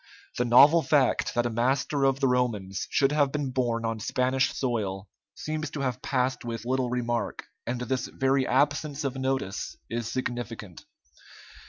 The novel fact that a master of the Romans should have been born on Spanish soil seems to have passed with little remark, and this very absence of notice is significant.